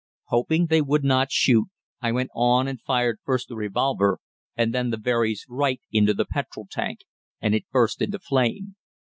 Hoping they would not shoot, I went on and fired first the revolver and then the Verey's right into the petrol tank, and it burst into flame.